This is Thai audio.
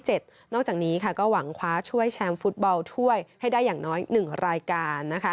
นอกจากนี้ก็หวังคว้าช่วยแชมป์ฟุตบอลถ้วยให้ได้อย่างน้อย๑รายการ